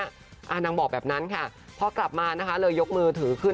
นางบอกแบบนั้นค่ะพอกลับมานะคะเลยยกมือถือขึ้น